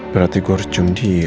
berarti gue harus cung dia